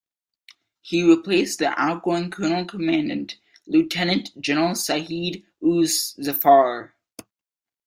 He had replaced the outgoing colonel commandant Lieutenant General Saeed Uz Zafar.